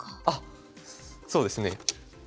あっそうですね。